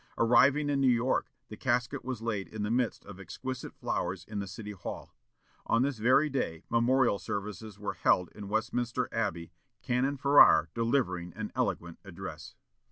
Arriving in New York, the casket was laid in the midst of exquisite flowers in the City Hall. On this very day memorial services were held in Westminster Abbey, Canon Farrar delivering an eloquent address.